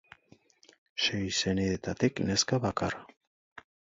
Sei senidetatik neska bakarra.